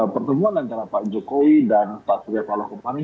pertemuan antara pak jokowi dan pak surya paloh kemarin